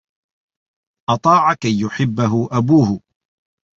أَطَاعَ كَيْ يُحِبَّهُ أَبُوهُ.